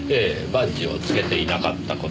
バッジをつけていなかった事。